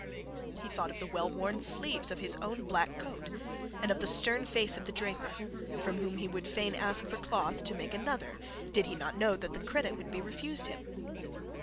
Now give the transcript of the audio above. He thought of the well worn sleeves of his own black coat, and of the stern face of the draper from whom he would fain ask for cloth to make another, did he not know that the credit would be refused him.